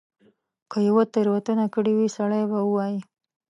که یوه تیره وتنه کړې وي سړی به ووایي.